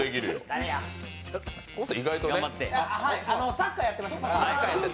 サッカーやってましたから。